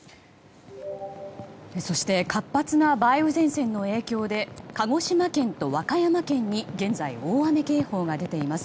活発な梅雨前線の影響で鹿児島県と和歌山県に現在、大雨警報が出ています。